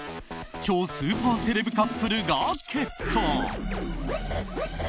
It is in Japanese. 超スーパーセレブカップルが結婚。